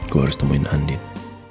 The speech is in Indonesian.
saya harus menemukan andin